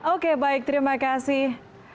oke baik terima kasih